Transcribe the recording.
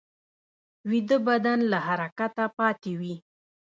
ویده بدن له حرکته پاتې وي